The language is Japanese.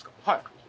はい。